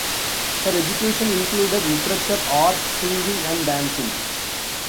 Her education included literature, art, singing and dancing.